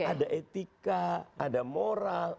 ada etika ada moral